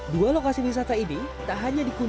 dua lokasi wisata ini tak hanya dikunjung